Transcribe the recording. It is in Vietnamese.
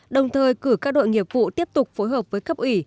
đồng thời cử các đội nghiệp vụ tiếp tục phối hợp với cấp ủy